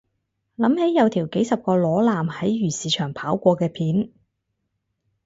諗起有條幾十個裸男喺漁市場跑過嘅片